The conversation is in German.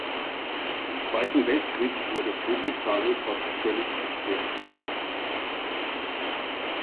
Im Zweiten Weltkrieg wurde Vogelsang fast völlig zerstört.